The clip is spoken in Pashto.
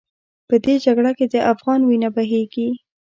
په دې جګړه کې د افغان وینه بهېږي.